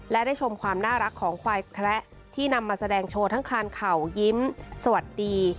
และได้ชมความน่ารักของควายแคละที่นำมาแสดงโชว์ทั้งคานเข่ายิ้มสวัสดี